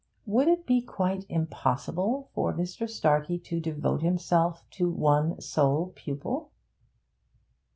Would it be quite impossible for Mr. Starkey to devote himself to one sole pupil.